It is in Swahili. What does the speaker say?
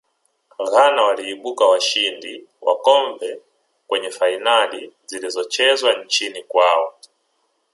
ghana waliibuka washindi wa kombe kwenye fainali zilizochezwa nchini kwao